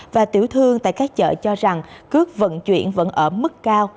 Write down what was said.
và tiểu thương tại các chợ cho rằng cước vận chuyển vẫn ở mức cao